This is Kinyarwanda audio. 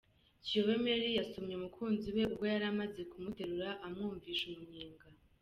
Kiyobe Merry yasomye umukunzi we ubwo yari amaze kumuterura amwumvisha umunyenga.